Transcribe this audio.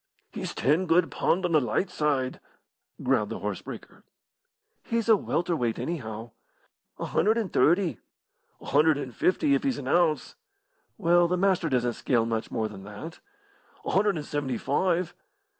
"He's ten good pund on the light side," growled the horse breaker. "He's a welter weight, anyhow." "A hundred and thirty." "A hundred and fifty, if he's an ounce." "Well, the Master doesn't scale much more than that." "A hundred and seventy five."